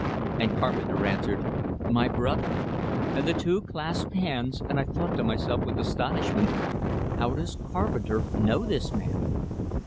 And Carpenter answered, "My brother!" And the two clasped hands, and I thought to myself with astonishment, "How does Carpenter know this man?"